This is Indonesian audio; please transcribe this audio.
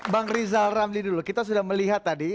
bang rizal ramli dulu kita sudah melihat tadi